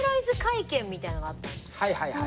はいはい。